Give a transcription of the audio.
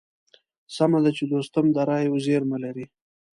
سمه ده چې دوستم د رايو زېرمه لري.